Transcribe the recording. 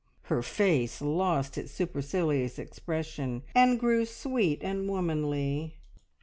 Her face lost its supercilious expression, and grew sweet and womanly.